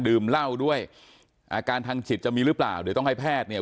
ดื่มเหล้าด้วยอาการทางจิตจะมีหรือเปล่าเดี๋ยวต้องให้แพทย์เนี่ย